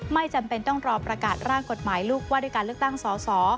ไม่จำเป็นต้องรอประกาศร่างกฎหมายลูกว่าด้วยการเลือกตั้งสอสอ